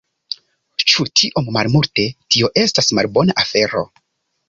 Ĉu tiom malmulte... tio estas malbona afero